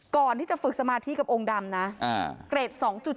ก่อนที่จะฝึกสมาธิกับองค์ดำนะเกรด๒๗